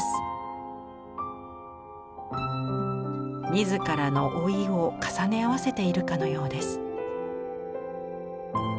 自らの老いを重ね合わせているかのようです。